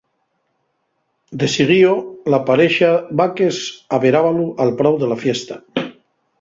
De siguío, la parexa vaques averábalu al prau de la fiesta.